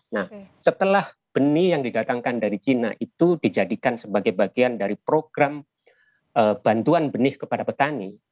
nah setelah benih yang didatangkan dari cina itu dijadikan sebagai bagian dari program bantuan benih kepada petani